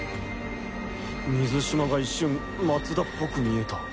水嶋が一瞬松田っぽく見えた。